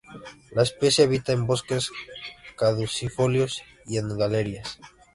La especie habita en bosques caducifolios y en galería.